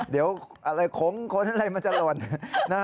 เดี๋ยวอะไรข้งขนอะไรมันจะหล่น